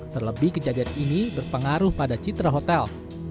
terlebih kejadian ini berpengaruh pada citra hotel